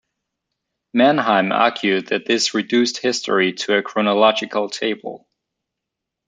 Mannheim argued that this reduced history to "a chronological table".